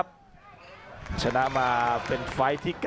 อัศวินาศาสตร์